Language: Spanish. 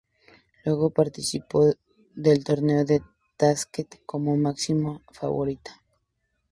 Luego participó del Torneo de Taskent como máxima favorita.